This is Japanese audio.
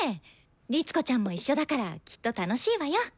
律子ちゃんも一緒だからきっと楽しいわよ。